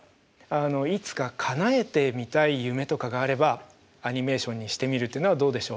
いつかかなえてみたい夢とかがあればアニメーションにしてみるというのはどうでしょう？